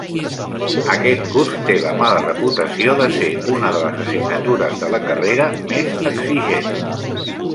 Aquest curs té la mala reputació de ser una de les assignatures de la carrera més exigents.